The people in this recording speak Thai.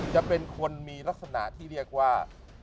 จะเป็นคนมีลักษณะที่เรียกว่า